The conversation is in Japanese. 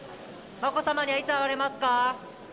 眞子さまにはいつ会われますか？